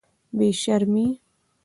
بې شرمې.